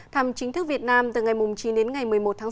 thăm chính thức việt nam từ ngày chín đến ngày một mươi một tháng sáu